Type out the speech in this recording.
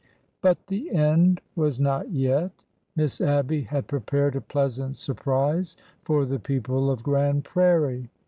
But the end was not yet. Miss Abby had prepared a pleasant surprise for the people of Grand Prairie.